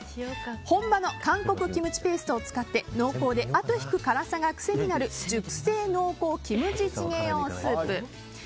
本場の韓国キムチペーストを使って、濃厚であと引く辛さが癖になる熟成濃厚キムチチゲ用スープ。